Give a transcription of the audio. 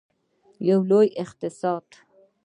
یو لوی اقتصاد.